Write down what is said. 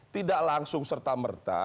tidak langsung serta merta